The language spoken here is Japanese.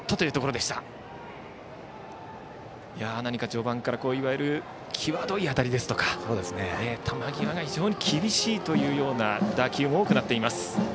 序盤からいわれる際どい当たりですとか球際が非常に厳しい打球も多くなっています。